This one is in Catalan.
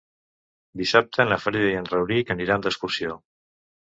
Dissabte na Frida i en Rauric aniran d'excursió.